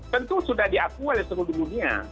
tentu sudah diakui oleh seluruh dunia